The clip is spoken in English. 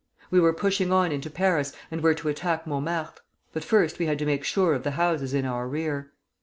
We were pushing on into Paris, and were to attack Montmartre; but first we had to make sure of the houses in our rear.